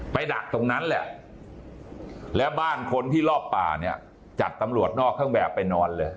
ดักตรงนั้นแหละแล้วบ้านคนที่รอบป่าเนี่ยจัดตำรวจนอกเครื่องแบบไปนอนเลย